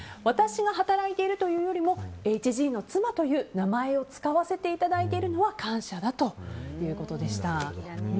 私が働いているというよりもＨＧの妻という名前を使わせていただいているのは感謝だということでした。